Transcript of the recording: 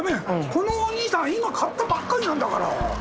このおにいさんは今買ったばっかりなんだから。